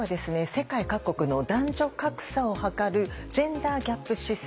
世界各国の男女格差を測る「ジェンダー・ギャップ指数」